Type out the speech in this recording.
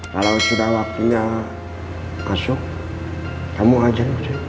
kalau sudah waktunya masuk temu aja